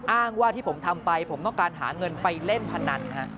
อ้างว่าที่ผมทำไปผมต้องการหาเงินไปเล่นพนัน